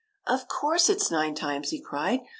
" Of course it 's nine times !" he cried.